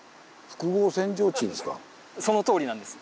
そのとおりなんです。